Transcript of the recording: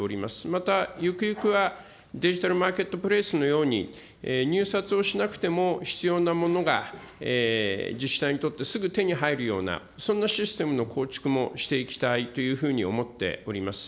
またゆくゆくはデジタルマーケットプレースのように入札をしなくても、必要なものが自治体にとってすぐ手に入るようなそんなシステムの構築もしていきたいというふうに思っております。